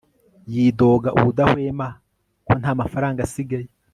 Yidoga ubudahwema ko nta mafaranga asigaye